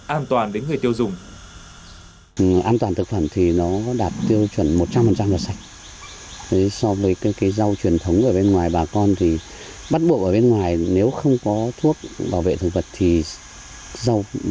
an toàn đến người tiêu dùng